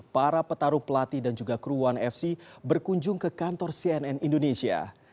para petarung pelatih dan juga kruan fc berkunjung ke kantor cnn indonesia